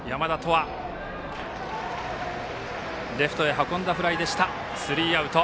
レフトへ運んだフライでしたがスリーアウト。